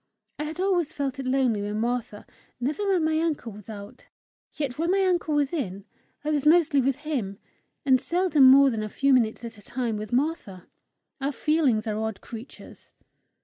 I had always felt it lonely when Martha, never when my uncle was out. Yet when my uncle was in, I was mostly with him, and seldom more than a few minutes at a time with Martha. Our feelings are odd creatures!